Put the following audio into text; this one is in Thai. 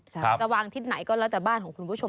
จะวางทิศไหนก็แล้วแต่บ้านของคุณผู้ชม